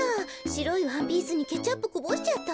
しろいワンピースにケチャップこぼしちゃった。